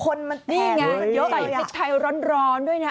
คนมันแทนมากเลยอะนี่ไงใส่สิทธิ์ไทยร้อนด้วยนะ